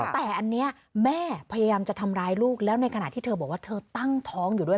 แต่อันนี้แม่พยายามจะทำร้ายลูกแล้วในขณะที่เธอบอกว่าเธอตั้งท้องอยู่ด้วย